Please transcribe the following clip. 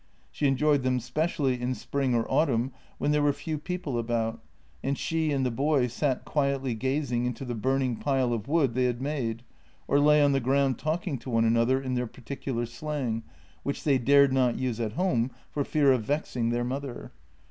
She enjoyed them specially in spring or autumn, when there were few people about, and she and the boy sat quietly gazing into the burning pile of wood they had made, or lay on the ground talking to one another in their par ticular slang, which they dared not use at home for fear of vexing their mother.